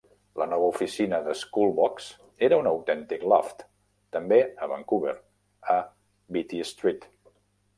La nova oficina de Skullbocks era un autèntic loft, també a Vancouver, a Beatty Street.